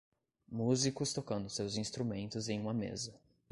Músicos tocando seus instrumentos em uma mesa.